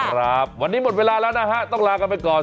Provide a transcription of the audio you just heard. ครับวันนี้หมดเวลาแล้วนะฮะต้องลากันไปก่อน